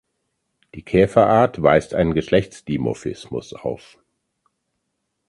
Die Käferart weist einen Geschlechtsdimorphismus auf.